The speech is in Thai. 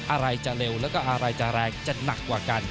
อะไรจะเร็วแล้วก็อะไรจะแรงจะหนักกว่ากัน